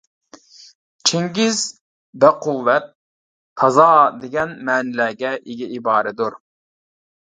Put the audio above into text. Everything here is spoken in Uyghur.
چىڭگىز بەقۇۋۋەت، تازا دېگەن مەنىلەرگە ئىگە ئىبارىدۇر.